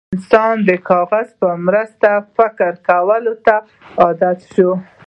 انسان د کاغذ په مرسته فکر کولو ته عادت شو.